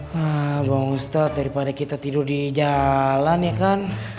nah bang ustadz daripada kita tidur di jalan ya kan